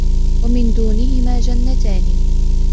وَمِنْ دُونِهِمَا جَنَّتَانِ